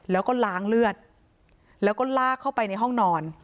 แล้วก็ล้างเลือดแล้วก็ลากเข้าไปในห้องนอน